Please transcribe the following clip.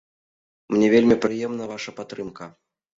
Мне вельмі прыемна ваша падтрымка.